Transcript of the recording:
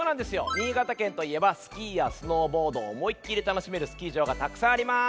新潟県といえばスキーやスノーボードをおもいっきりたのしめるスキー場がたくさんあります。